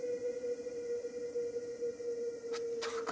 ったく。